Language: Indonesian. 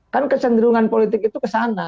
kan kecenderungan politik itu kesana